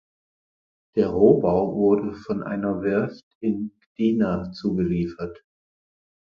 Der Rohbau wurde von einer Werft in Gdynia zugeliefert.